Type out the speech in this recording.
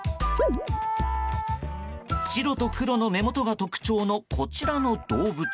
白と黒の目元が特徴のこちらの動物。